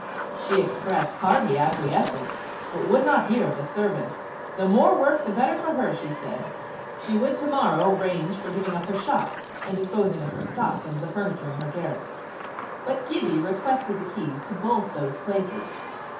She expressed hearty acquiescence, but would not hear of a servant: the more work the better for her! she said. She would to morrow arrange for giving up her shop and disposing of her stock and the furniture in her garret. But Gibbie requested the keys of both those places.